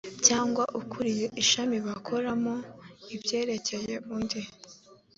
cyangwa ukuriye ishami bakoramo ibyerekeye undi